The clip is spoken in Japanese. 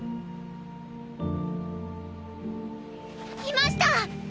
いました！